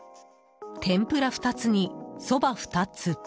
天ぷら２つに、そば２つ。